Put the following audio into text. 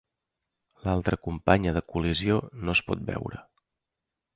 L'altra companya de col·lisió no es pot veure.